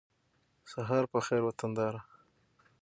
سهار په خېر وطنداره